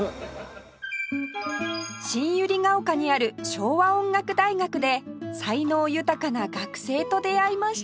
新百合ヶ丘にある昭和音楽大学で才能豊かな学生と出会いました